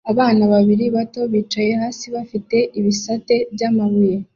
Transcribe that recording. Abana babiri bato bicaye hasi bafite ibisate by'amabuye